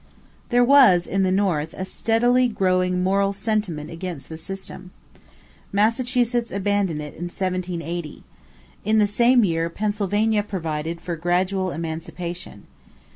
There was, in the North, a steadily growing moral sentiment against the system. Massachusetts abandoned it in 1780. In the same year, Pennsylvania provided for gradual emancipation.